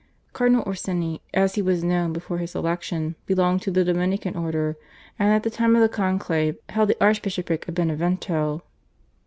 Cardinal Orsini, as he was known before his election, belonged to the Dominican Order, and at the time of the conclave held the Archbishopric of Benevento.